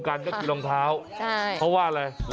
แบบนี้คือแบบนี้คือแบบนี้คือแบบนี้คือ